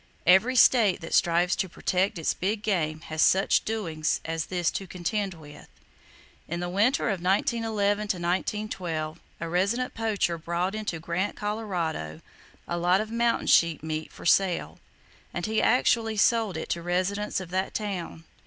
Every state that strives to protect its big game has such doings as this to contend with: In the winter of 1911 12, a resident poacher brought into Grant, Colorado, a lot of mountain sheep meat for sale; and he actually sold it to residents of that town!